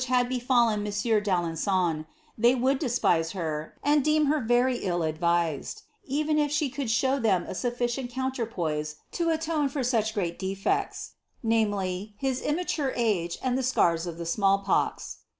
S75 di bad befiillen monsieur d'Alengon, they would despise her, and D her Tery ill advised, even if she could show them a sufficient iterpoise to atone for those great defects;" viz., his immature age the scars of the small pox.